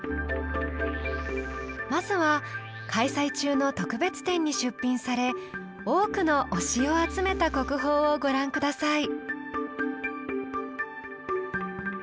まずは開催中の特別展に出品され多くの「推し」を集めた国宝をご覧下さい。